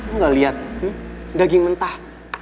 lu gak liat daging mentah